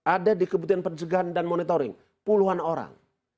ada di keputian perjegahan dan monitoring puluhan orang